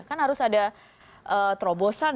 kan harus ada terobosan